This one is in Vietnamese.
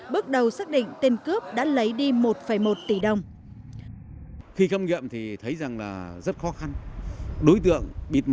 bước đầu xác định tên cướp đã lấy đi một một tỷ đồng